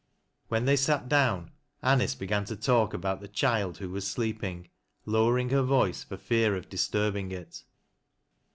When they sat down, Anice began to talk about the child, who was sleeping, lowering her voice for fear of disturbing it.